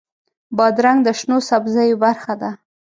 بادرنګ د شنو سبزیو برخه ده.